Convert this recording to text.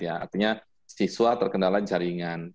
artinya siswa terkendala jaringan